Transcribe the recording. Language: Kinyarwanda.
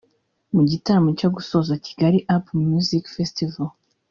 Mu gitaramo cyo gusoza Kigali Up Music Festival